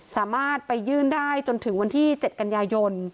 สามารถไปยื่นได้จนถึงวันที่๗กันยายน